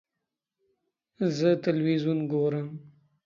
زه تلویزیون ګورم